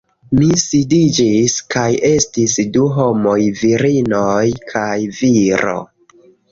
Mi sidiĝis kaj estis du homoj virinoj kaj viro